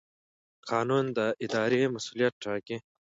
قانون د ادارې مسوولیت ټاکي.